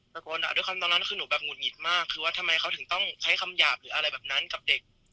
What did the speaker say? ด้วยความตอนนั้นคือหนูแบบหุดหงิดมากคือว่าทำไมเขาถึงต้องใช้คำหยาบหรืออะไรแบบนั้นกับเด็ก